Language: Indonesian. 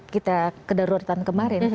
kita kedaruratan kemarin